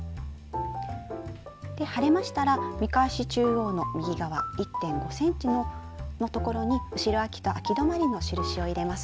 貼れましたら見返し中央の右側１．５ｃｍのところに後ろあきとあき止まりの印を入れます。